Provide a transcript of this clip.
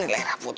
gak ada rapot